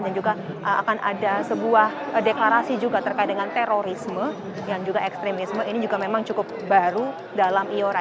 juga akan ada sebuah deklarasi juga terkait dengan terorisme yang juga ekstremisme ini juga memang cukup baru dalam iora